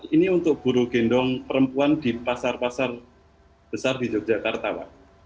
ini untuk buru gendong perempuan di pasar pasar besar di yogyakarta pak